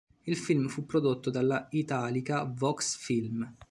Il film fu prodotto dalla Italica Vox Film.